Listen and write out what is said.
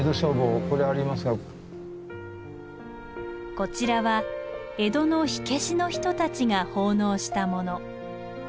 こちらは江戸の火消しの人たちが奉納したもの。